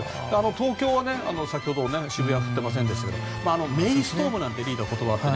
東京は先ほど渋谷、降ってませんでしたがメイストームなんて言葉があって